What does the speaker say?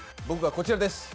僕はこちらです。